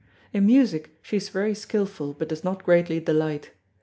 In music she is very skilful but does not greatly delight.